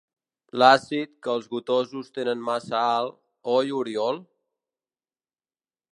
L'àcid que els gotosos tenen massa alt, oi Oriol?